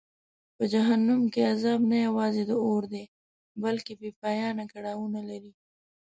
په جهنم کې عذاب نه یوازې د اور دی بلکه بېپایانه کړاوونه لري.